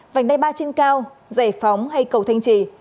vành đai ba trên cao giải phóng hay cầu thanh trì